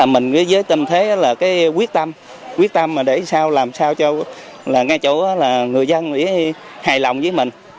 mình với giới tâm thế là quyết tâm quyết tâm để làm sao cho ngay chỗ là người dân hài lòng với mình